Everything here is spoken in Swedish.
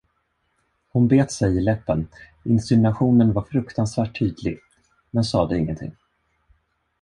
Hon bet sig i läppen, insinuationen var fruktansvärt tydlig, men sade ingenting.